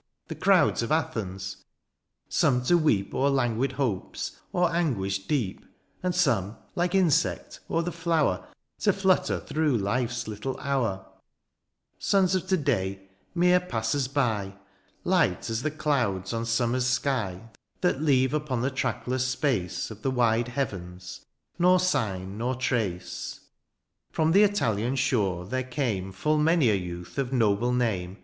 The crowds of Athens : some to weep O'er languid hopes, or anguish deep ; And some, like insect o'er the flower. To flutter through life's little hotu" ; Sons of to day, mere passers by. Light as the clouds on summer's sky. That leave upon the trackless space Of the wide heavens, nor sign, nor trace. From the Italian shore there came. Full many a youth of noble name.